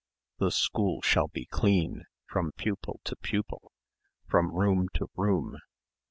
The school shall be clean ... from pupil to pupil ... from room to room....